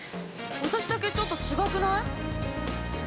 私だけちょっと違くない？